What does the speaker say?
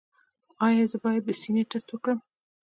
ایا زه باید د سینې ټسټ وکړم؟